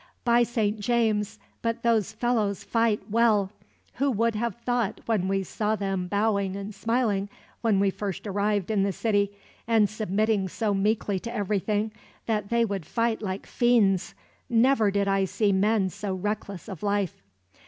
"By Saint James, but those fellows fight well! Who would have thought, when we saw them bowing and smiling when we first arrived in the city, and submitting so meekly to everything, that they could fight like fiends? Never did I see men so reckless of life.